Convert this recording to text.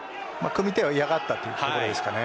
組み手を嫌がったというところですかね。